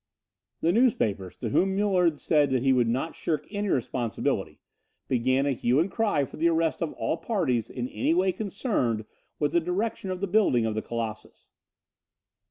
The newspapers, to whom Muller had said that he would not shirk any responsibility, began a hue and cry for the arrest of all parties in any way concerned with the direction of the building of the Colossus.